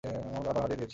আবার হারিয়ে দিয়েছি।